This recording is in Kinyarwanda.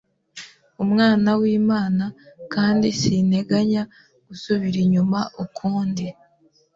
umwana w’Imana kandi sinteganya gusubira inyuma ukundi